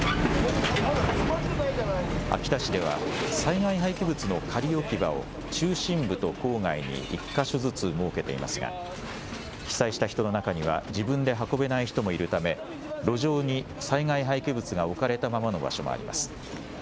秋田市では、災害廃棄物の仮置き場を、中心部と郊外に１か所ずつ設けていますが、被災した人の中には自分で運べない人もいるため、路上に災害廃棄物が置かれたままの場所もあります。